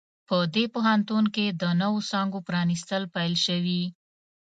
په دې پوهنتون کې د نوو څانګو پرانیستل پیل شوي